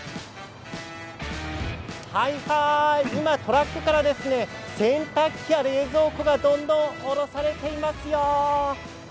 今、トラックから洗濯機や冷蔵庫がどんどん降ろされていますよ。